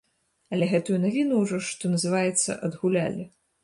Але гэтую навіну ўжо, што называецца, адгулялі.